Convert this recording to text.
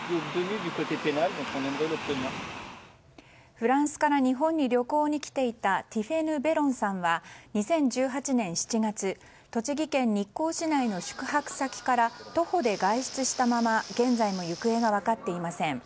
フランスから日本に旅行に来ていたティフェヌ・ベロンさんは２０１８年７月栃木県日光市内の宿泊先から徒歩で外出したまま現在も行方が分かっていません。